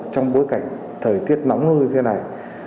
trong bối cảnh thời tiết nóng như thế này